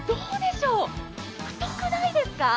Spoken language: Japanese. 太くないですか？